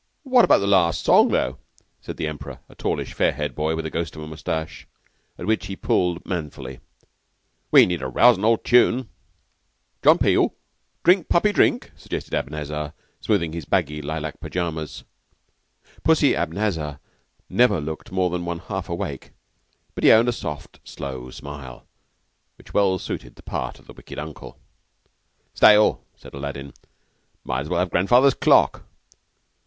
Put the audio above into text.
"What about the last song, though?" said the Emperor, a tallish, fair headed boy with a ghost of a mustache, at which he pulled manfully. "We need a rousing old tune." "'John Peel'? 'Drink, Puppy, Drink'?" suggested Abanazar, smoothing his baggy lilac pajamas. "Pussy" Abanazar never looked more than one half awake, but he owned a soft, slow smile which well suited the part of the Wicked Uncle. "Stale," said Aladdin. "Might as well have 'Grandfather's Clock.